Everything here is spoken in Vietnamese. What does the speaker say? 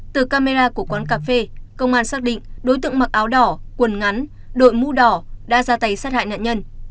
từ camera của quán cà phê công an xác định đối tượng mặc áo đỏ quần ngắn đội mũ đỏ đã ra tay sát hại nạn nhân